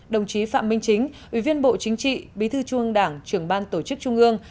đồng chí phạm minh chính ủy viên bộ chính trị bí thư trung ương đảng trưởng ban tổ chức trung ương